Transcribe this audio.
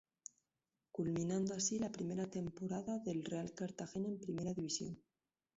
Culminando así la primera temporada del Real Cartagena en primera división.